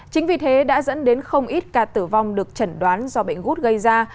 chính vì thế đã dẫn đến không ít ca tử vong được chẩn đoán do bệnh gút gây ra